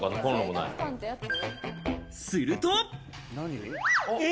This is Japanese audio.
すると。